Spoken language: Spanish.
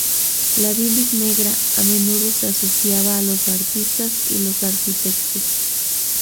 La bilis negra a menudo se asociaba a los artistas y los arquitectos.